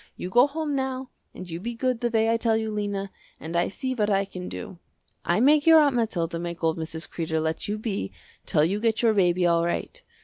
You go home now and you be good the way I tell you Lena, and I see what I can do. I make your Aunt Mathilda make old Mrs. Kreder let you be till you get your baby all right.